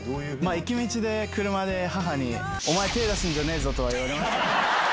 行き道で、車で帰りに母にお前、手出すんじゃねえぞとは言われました。